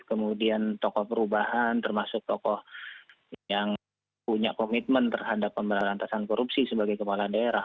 kemudian tokoh perubahan termasuk tokoh yang punya komitmen terhadap pemberantasan korupsi sebagai kepala daerah